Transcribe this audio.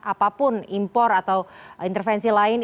apapun impor atau intervensi lain